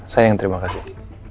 saya yang terima kasih